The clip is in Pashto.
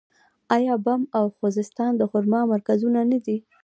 آیا بم او خوزستان د خرما مرکزونه نه دي؟